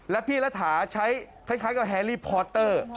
แล้วพี่รัฐาใช้คล้ายกับแฮรี่พอสเตอร์